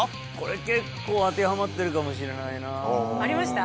これ結構当てはまってるかもしれないなあありました？